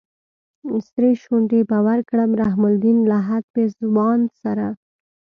سرې شونډې به ورکړم رحم الدين لهد پېزوان سره